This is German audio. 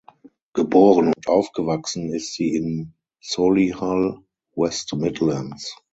Geboren und aufgewachsen ist sie in Solihull, West Midlands.